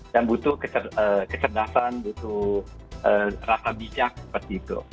dan butuh kecerdasan butuh rasa bijak seperti itu